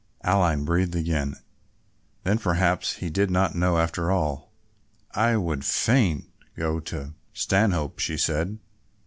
Aline breathed again. Then perhaps he did not know after all. "I would fain go to Stanhope," she said.